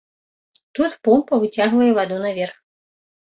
Тут помпа выцягвае ваду наверх.